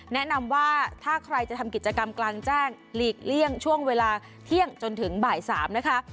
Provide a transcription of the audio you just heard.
แนะนำว่าถ้าใครจะทำกิจกรรมกลางแจ้งหลีกเลี่ยงช่วงเวลาเที่ยงจนถึงบ่าย๓นะคะ